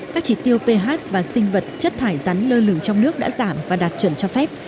các chỉ tiêu ph và sinh vật chất thải rắn lơ lửng trong nước đã giảm và đạt chuẩn cho phép